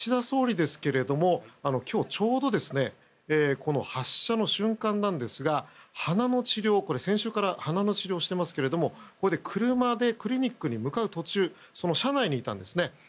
そして、岸田総理ですがちょうど発射の瞬間なんですが先週から鼻の治療をしていますが車でクリニックに向かう途中の車内にいたんです。